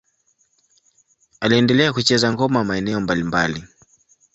Aliendelea kucheza ngoma maeneo mbalimbali.